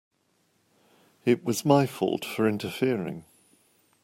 It was my fault for interfering.